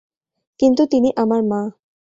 কিন্তু তিনি আমার মা।